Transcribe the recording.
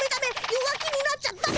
弱気になっちゃだめ。